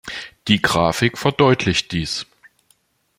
Die Grafik verdeutlicht dies.